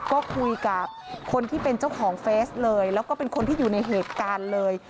ก็คุยกับคนที่เป็นเจ้าของเฟซเลยแล้วก็เป็นคนที่อยู่ในเหตุการณ์เลย